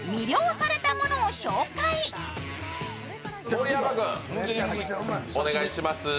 盛山君、お願いします。